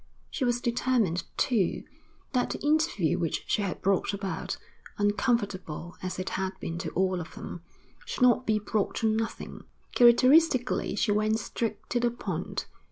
She was determined, too, that the interview which she had brought about, uncomfortable as it had been to all of them, should not be brought to nothing; characteristically she went straight to the point.